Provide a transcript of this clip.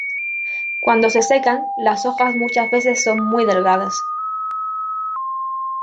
Cuando se secan, las hojas muchas veces son muy delgadas.